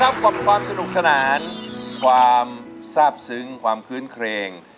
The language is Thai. ก็กลับมาพบนะครับขอบคุณความสนุกสนานความทราบซึ้งความคื้นเครง